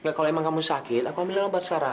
nggak kalau emang kamu sakit aku ambil dulu mbak sarah ya